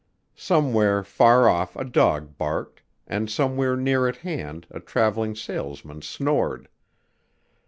Somewhere far off a dog barked and somewhere near at hand a traveling salesman snored.